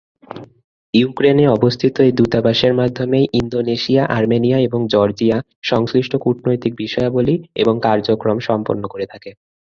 ইউক্রেনে অবস্থিত এই দূতাবাসের মাধ্যমেই, ইন্দোনেশিয়া, আর্মেনিয়া এবং জর্জিয়া সংশ্লিষ্ট কূটনৈতিক বিষয়াবলী এবং কার্যক্রম সম্পন্ন করে থাকে।